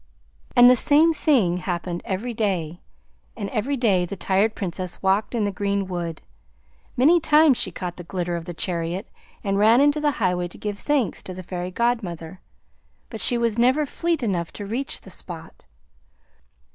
"'" And the same thing happened every day, and every day the tired Princess walked in the green wood. Many times she caught the glitter of the chariot and ran into the Highway to give thanks to the Fairy Godmother; but she was never fleet enough to reach the spot.